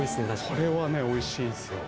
これはねおいしいんですよ